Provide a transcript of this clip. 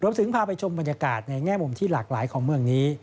ถึงพาไปชมบรรยากาศในแง่มุมที่หลากหลายของเมืองนี้